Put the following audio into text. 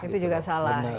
itu juga salah